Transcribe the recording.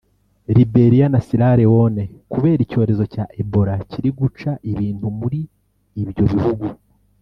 Liberia na Sierra Leone kubera icyorezo cya Ebola kiri guca ibintu muri ibyo bihugu